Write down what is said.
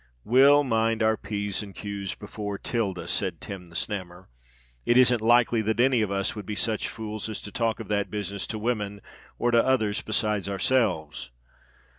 "We'll mind our p's and q's before 'Tilda," said Tim the Snammer. "It isn't likely that any of us would be such fools as to talk of that business to women, or to others besides ourselves.